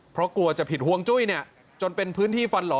เพราะกลัวจะผิดห่วงจุ้ยเนี่ยจนเป็นพื้นที่ฟันหล่อ